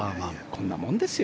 こんなもんですよ。